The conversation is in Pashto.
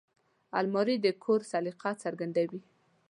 الماري د کور سلیقه څرګندوي